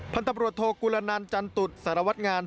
พันธุ์ตำรวจโทกุลนันต์จันตุฯสารวัติงาน